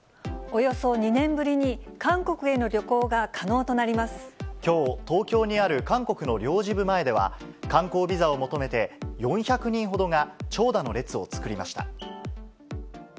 およそ２年ぶりに、きょう、東京にあるかんこくの領事部前では、観光ビザを求めて４００人ほどが長蛇の列を作りました。